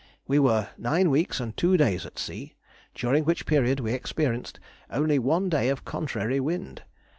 We were nine weeks and two days at sea, during which period we experienced only one day of contrary wind.